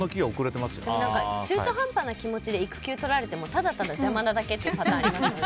中途半端な気持ちで育休を取られてもただただ邪魔なだけっていうパターンありますよね。